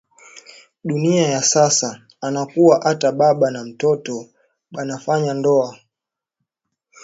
Dunia ya sasa anakuwa ata baba na mtoto bana fanya ndowa